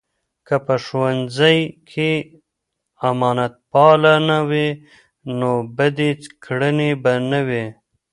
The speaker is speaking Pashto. که په ښوونځۍ کې امانتپالنه وي، نو بدې کړنې به نه وي.